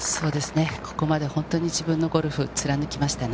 ここまで本当に自分のゴルフを貫きましたね。